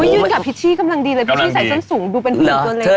ยืนกับพิชชี่กำลังดีเลยพิชชี่ใส่ส้นสูงดูเป็นผู้หญิงตัวเล็ก